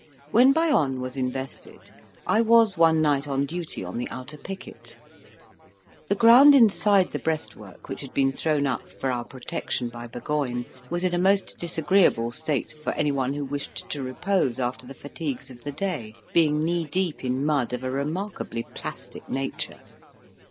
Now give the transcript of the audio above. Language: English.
When Bayonne was invested, I was one night on duty on the outer picket. The ground inside the breastwork which had been thrown up for our protection by Burgoyne was in a most disagreeable state for any one who wished to repose after the fatigues of the day, being knee deep in mud of a remarkably plastic nature.